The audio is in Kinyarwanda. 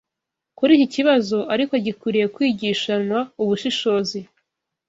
kuri iki kibazo, ariko gikwiriye kwigishanwa ubushishozi.